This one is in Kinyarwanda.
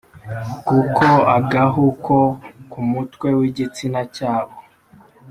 kuko agahu ko ku mutwe w’igitsina cyabo